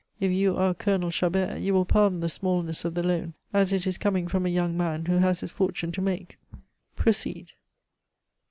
If you are Colonel Chabert, you will pardon the smallness of the loan as it is coming from a young man who has his fortune to make. Proceed."